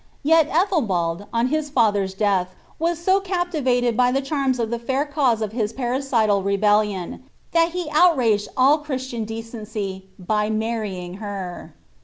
Yet Ethelbald, on his father's death, was so cap tivated by the charms of the fair cause of his parricidal rebellion, that he outraged all Christian decency, by marrying her.